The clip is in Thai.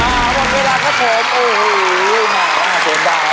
มาส่วนดาวนะครับ